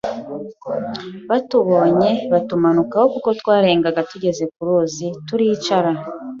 batubonye batumanukaho kuko twarengaga tugeze ku ruzi turicara